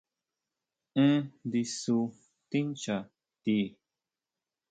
Énn ndisu tincha ti.